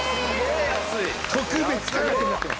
特別価格になってます。